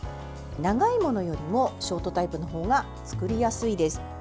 長いものよりもショートタイプの方が作りやすいです。